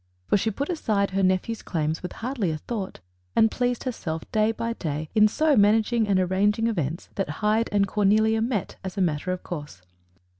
For she put aside her nephew's claims with hardly a thought, and pleased herself day by day in so managing and arranging events that Hyde and Cornelia met, as a matter of course.